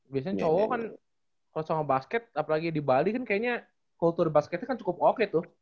biasanya cowok kan kalau sama basket apalagi di bali kan kayaknya kultur basketnya kan cukup oke tuh